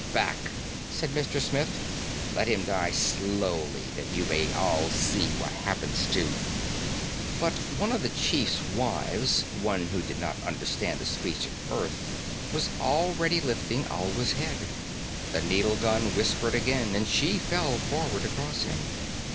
"Back," said Mr. Smith. "Let him die slowly that you may all see what happens to " But one of the chief's wives, one who did not understand the speech of Earth, was already lifting Alwa's head. The needle gun whispered again, and she fell forward across him.